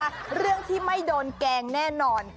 ตอนการด้วยเรื่องที่ไม่โดนแกงแน่นอน